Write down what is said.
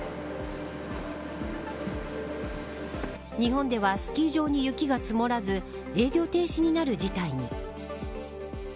日本ではスキー場に雪が積もらず営業停止になる事態に。